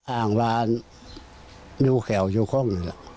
อ่างวานนิ้วแข่วอยู่คง